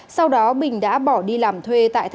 sau đó bình đã bỏ đi làm thuê tại tp hcm